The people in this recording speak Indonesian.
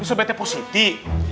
ini sebetnya positif